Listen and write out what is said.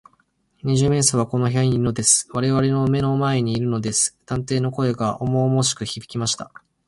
「二十面相はこの部屋にいるのです。われわれの目の前にいるのです」探偵の声がおもおもしくひびきました。